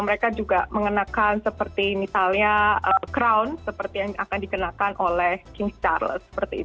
dan mereka juga mengenakan seperti misalnya crown seperti yang akan dikenakan oleh king charles